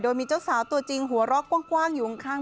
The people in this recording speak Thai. โดยมีเจ้าสาวตัวจริงหัวเราะกว้างอยู่ข้าง